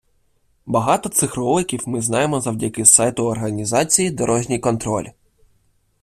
Багато цих роликів ми знаємо завдяки сайту організації «Дорожній контроль».